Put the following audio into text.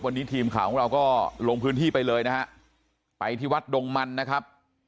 วันนี้ทีมข่าวของเราก็ลงพื้นที่ไปเลยนะฮะไปที่วัดดงมันนะครับ